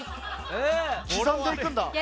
刻んでいくんだ。